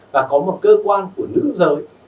và có một cơ quan của nữ giới